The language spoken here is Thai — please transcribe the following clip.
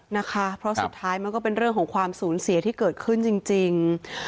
นะคะเพราะสุดท้ายมันก็เป็นเรื่องของความสูญเสียที่เกิดขึ้นจริง